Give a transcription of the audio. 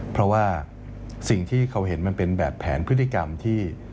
เพราะว่าสิ่งที่เขาเห็นมันเป็นแบบแผนพฤติกรรมที่